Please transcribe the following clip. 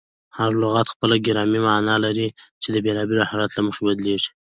هر لغت خپله ګرامري مانا لري، چي د بېلابېلو حالتو له مخي بدلیږي.